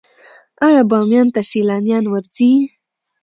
آیا بامیان ته سیلانیان ورځي؟